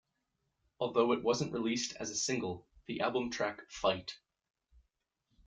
Although it wasn't released as a single, the album track Fight!